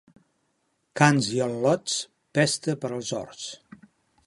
Cans i al·lots, pesta per als horts.